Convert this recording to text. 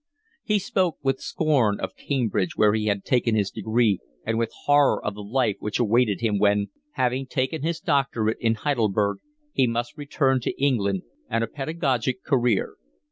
He spoke with scorn of Cambridge where he had taken his degree and with horror of the life which awaited him when, having taken his doctorate in Heidelberg, he must return to England and a pedagogic career.